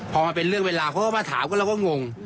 พอมันเป็นเรื่องเวลาเขาก็มาถามก็เราก็งง